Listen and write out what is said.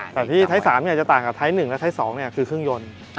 แต่ที่ไทย๓จะต่างกับไทย๑และไทย๒คือเครื่องยนต์